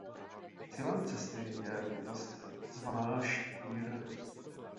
Cílem cesty je bytost zvaná Štír.